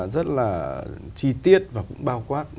rất là chi tiết và cũng bao quát